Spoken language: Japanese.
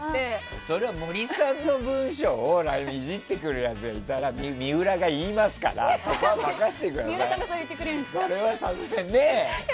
それは森さんの文章をイジってくるやつがいたら水卜が言いますからそこは任せてください。